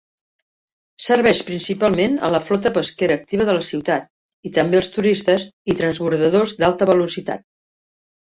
Serveix principalment a la flota pesquera activa de la ciutat, i també als turistes i transbordadors d'alta velocitat.